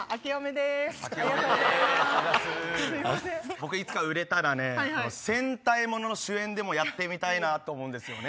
僕いつか売れたらね戦隊ものの主演でもやってみたいなと思うんですよね。